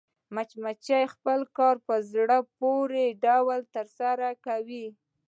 مچمچۍ خپل کار په زړه پورې ډول ترسره کوي